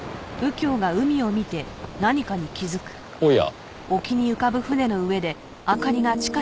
おや？